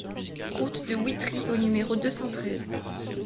Route de Witry au numéro deux cent treize